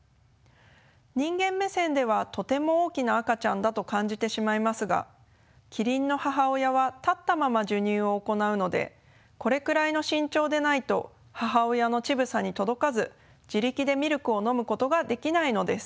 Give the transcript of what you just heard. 人間目線ではとても大きな赤ちゃんだと感じてしまいますがキリンの母親は立ったまま授乳を行うのでこれくらいの身長でないと母親の乳房に届かず自力でミルクを飲むことができないのです。